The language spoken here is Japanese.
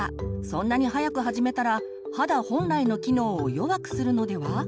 そんなに早く始めたら肌本来の機能を弱くするのでは？